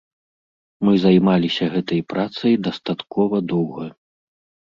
Мы займаліся гэтай працай дастаткова доўга.